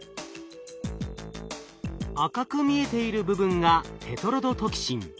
赤く見えている部分がテトロドトキシン。